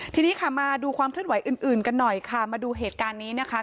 ทีนี้ค่ะมาดูความเคลื่อนไหวอื่นกันหน่อยค่ะมาดูเหตุการณ์นี้นะคะ